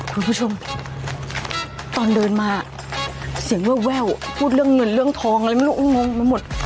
คุณผู้ชมตอนเดินมาเสียงแววพูดเรื่องเงินเรื่องทองอะไรไม่รู้งงไปหมด